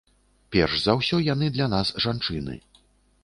Перш за ўсё яны для нас жанчыны.